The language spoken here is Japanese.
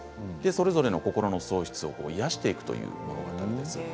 それぞれの心の喪失を癒やしていくという物語です。